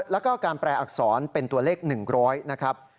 แล้วก็การแปลอักษรเป็นตัวเลข๑๐๐นะครับ